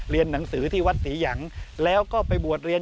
หนังสือที่วัดศรีหยังแล้วก็ไปบวชเรียน